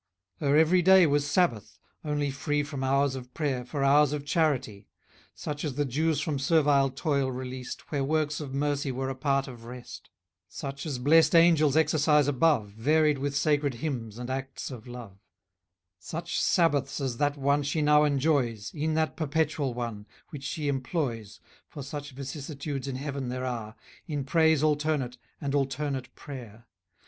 Her every day was sabbath; only free From hours of prayer, for hours of charity. Such as the Jews from servile toil released, Where works of mercy were a part of rest; Such as blest angels exercise above, Varied with sacred hymns and acts of love; Such sabbaths as that one she now enjoys, E'en that perpetual one, which she employs, (For such vicissitudes in heaven there are) In praise alternate, and alternate prayer.